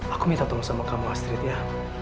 aku minta tolong sama kamu astrid ya